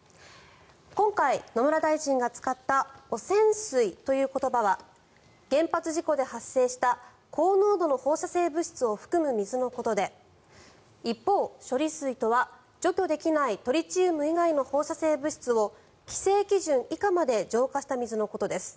今回、野村大臣が使った汚染水という言葉は原発事故で発生した高濃度の放射性物質を含む水のことで一方、処理水とは除去できないトリチウム以外の放射性物質を規制基準以下まで浄化した水のことです。